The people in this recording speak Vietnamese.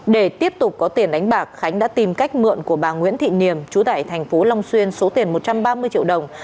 để tiếp tục có tiền đánh bạc khánh đã tìm cách mượn của bà nguyễn thị niềm chú tại thành phố long xuyên số tiền một trăm ba mươi triệu đồng